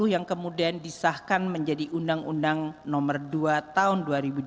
yang kemudian disahkan menjadi undang undang nomor dua tahun dua ribu dua